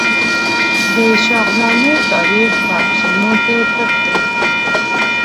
د شاهنامې تاریخ په افسانو کې پټ دی.